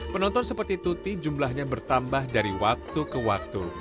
penonton seperti tuti jumlahnya bertambah dari waktu ke waktu